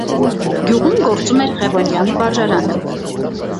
Գյուղում գործում էր Ղևոնդյան վարժարանը։